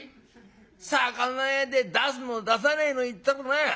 魚屋で出すの出さねえの言ったらな